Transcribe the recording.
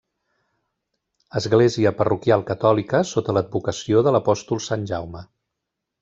Església parroquial catòlica sota l'advocació de l'apòstol Sant Jaume.